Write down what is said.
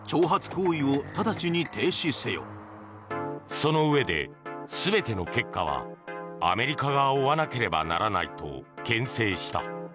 そのうえで、全ての結果はアメリカが負わなければならないとけん制した。